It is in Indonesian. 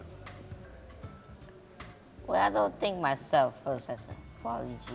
saya tidak memikirkan diri saya sebagai prodigi